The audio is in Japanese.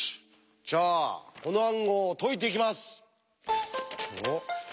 じゃあこの暗号を解いていきます！